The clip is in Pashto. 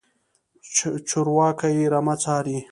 چرواکی رمه څاري.